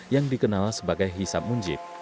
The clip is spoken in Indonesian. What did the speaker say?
yang dikenal sebagai hisap munjid